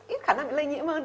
ít khả năng bị lây nhiễm hơn